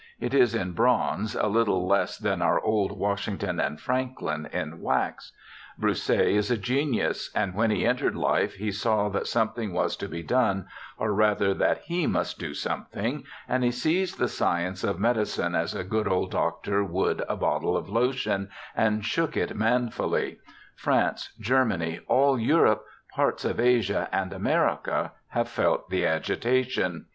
It is in bronze, a little less than our old Washington and Franklin AN ALABAMA STUDENT 9 in wax. Broussais is a genius, and when he entered life he saw that something was to be done, or rather that he must do something, and he seized the science of medi cine as a good old doctor would a bottle of lotion, and shook it manfully ; France, Germany, all Europe, parts of Asia, and America have felt the agitation.